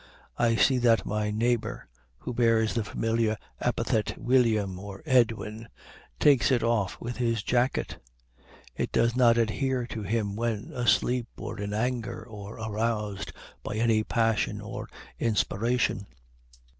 I see that my neighbor, who bears the familiar epithet William, or Edwin, takes it off with his jacket. It does not adhere to him when asleep or in anger, or aroused by any passion or inspiration.